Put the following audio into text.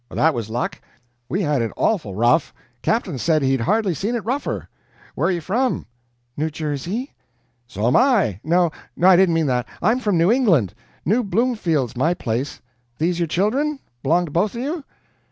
"That was luck. We had it awful rough. Captain said he'd hardly seen it rougher. Where are you from?" "New Jersey." "So'm I. No I didn't mean that; I'm from New England. New Bloomfield's my place. These your children? belong to both of you?"